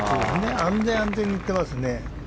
安全、安全にいってますね。